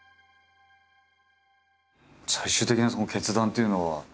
最終的なその決断っていうのは？